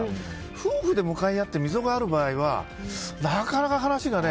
夫婦で向かい合って溝がある場合はなかなか話がね。